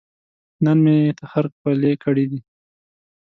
نن مې تخرګ خولې کړې دي